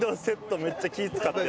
めっちゃ気ぃ使って。